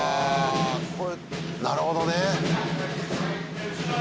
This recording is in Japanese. これなるほどね。